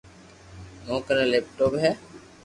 موڪني ليپ ٽوپ ھي